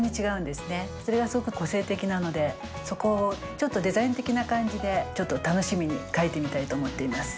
それがすごく個性的なのでそこをちょっとデザイン的な感じでちょっと楽しみに描いてみたいと思っています。